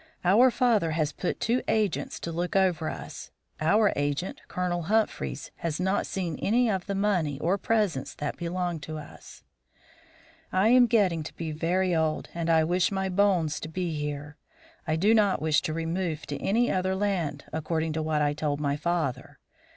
Our father has put two agents to look over us; our agent, Colonel Humphries, has not seen any of the money or presents that belong to us. "I am getting to be very old, and I wish my bones to be here. I do not wish to remove to any other land, according to what I told my father.